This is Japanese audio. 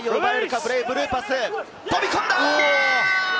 ブレイブルーパス、飛び込んだ！